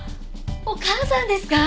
お義母さんですか？